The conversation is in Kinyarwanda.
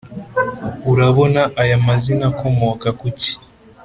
urabona aya mazina akomoka ku ki’